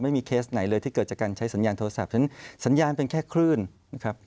ไม่มีเคสไหนเลยที่กันใช้สัญญาณโทรศัพท์เพราะฉะนั้นสัญญาณเป็นแค่คลื่นนะครับ